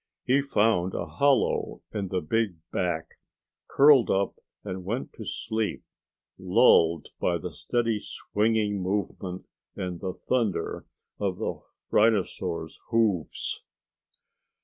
He found a hollow in the big back, curled up and went to sleep, lulled by the steady swinging movement and the thunder of the rhinosaur's hooves.